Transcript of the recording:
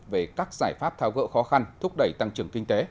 về các giải pháp tháo gỡ khó khăn thúc đẩy tăng trưởng kinh tế